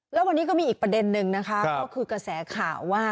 แล้ววันนี้ก็มีอีกประเด็นนึงนะคะก็คือกระแสข่าวว่า